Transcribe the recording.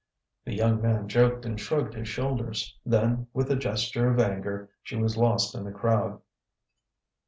The young man joked and shrugged his shoulders. Then, with a gesture of anger, she was lost in the crowd.